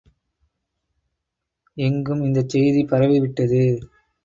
எங்கும் இந்தச் செய்தி பரவிவிட்டது.